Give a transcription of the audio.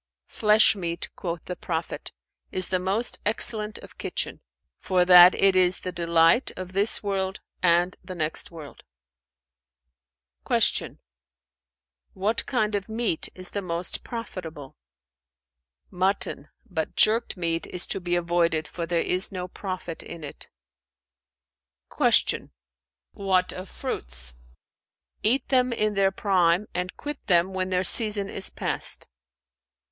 "'Flesh meat' (quoth the Prophet) 'is the most excellent of kitchen; for that it is the delight of this world and the next world.'" Q "What kind of meat is the most profitable?" "Mutton; but jerked meat is to be avoided, for there is no profit in it." Q "What of fruits?" "Eat them in their prime and quit them when their season is past."